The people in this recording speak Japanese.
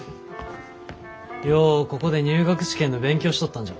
ようここで入学試験の勉強しとったんじゃ。